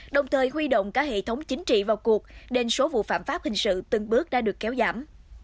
đồng thời huy động cả hệ thống chính trị vào cuộc nên số vụ phạm pháp hình sự từng bước đã được kéo giảm